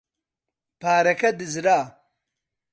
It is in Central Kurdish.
پارەکە دزرا.